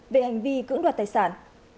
về hành vi cưỡng đoạt tài sản